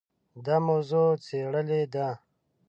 دا موضوع څېړلې ده.